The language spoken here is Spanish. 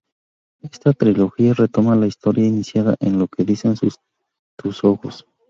Esta trilogía retoma la historia iniciada en "Lo que dicen tus ojos"-.